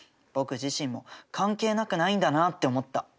僕自身も関係なくないんだなって思った。